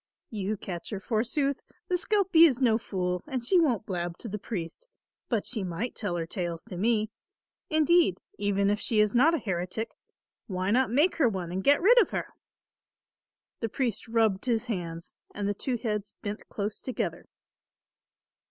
"You catch her forsooth! The skelpie is no fool, and she won't blab to the priest, but she might tell her tales to me. Indeed even if she is not a heretic, why not make her one and get rid of her?" The priest rubbed his hands and the two heads bent close together.